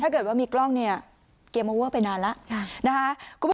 ถ้าเกิดว่ามีกล้องเนี่ยเกมโอเวอร์ไปนานแล้วนะคะ